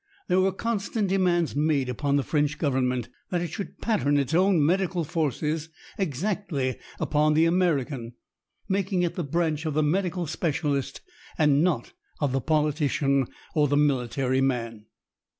There were constant demands made upon the French Government that it should pattern its own medical forces exactly upon the American, making it the branch of the medical specialist and not of the politician or the military man.